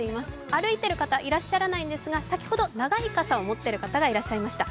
歩いている方、いらっしゃらないんですが、先ほど、長い傘を持ってる方がいらっしゃいました。